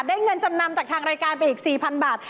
เงินจำนำจากทางรายการไปอีก๔๐๐๐บาท